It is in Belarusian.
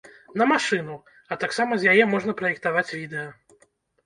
На машыну, а таксама з яе можна праектаваць відэа.